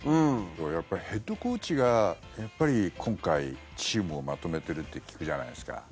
やっぱりヘッドコーチが今回、チームをまとめているって聞くじゃないですか。